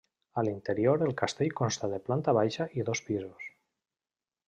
A l’interior el castell consta de planta baixa i dos pisos.